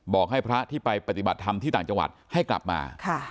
บอกให้พระที่ไปปฏิบัติธรรมที่ต่างจังหวัดให้กลับมา